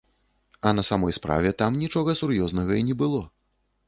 А на самой справе там нічога сур'ёзнага і не было.